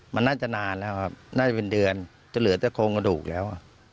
มันน่าจะนานแล้วครับน่าจะเป็นเดือนจะเหลือแต่โครงกระดูกแล้ว